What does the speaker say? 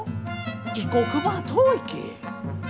異国ばあ遠いき。